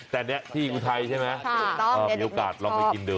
แต่นี่ที่อุทัยใช่ไหมมีโอกาสลองไปกินดู